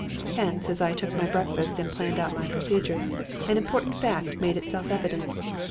Hence, as I took my breakfast and planned out my procedure, an important fact made itself evident.